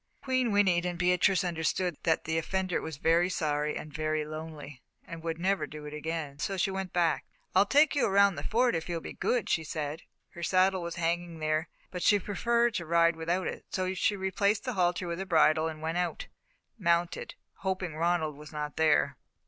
Queen whinnied and Beatrice understood that the offender was very sorry and very lonely, and would never do it again, so she went back. "I'll take you around the Fort if you'll be good," she said. Her saddle was hanging there, but she preferred to ride without it, so she replaced the halter with a bridle and went out, mounted, hoping Ronald was not there.